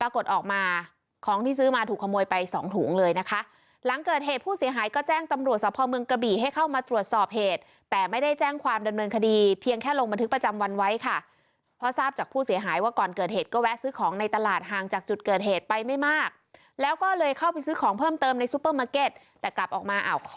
กดออกมาของที่ซื้อมาถูกขโมยไปสองถุงเลยนะคะหลังเกิดเหตุผู้เสียหายก็แจ้งตำรวจสภาพเมืองกระบี่ให้เข้ามาตรวจสอบเหตุแต่ไม่ได้แจ้งความดำเนินคดีเพียงแค่ลงบันทึกประจำวันไว้ค่ะเพราะทราบจากผู้เสียหายว่าก่อนเกิดเหตุก็แวะซื้อของในตลาดห่างจากจุดเกิดเหตุไปไม่มากแล้วก็เลยเข้าไปซื้อของเพิ่มเติมในซูเปอร์มาร์เก็ตแต่กลับออกมาอ่า